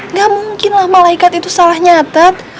nggak mungkinlah malaikat itu salah nyatet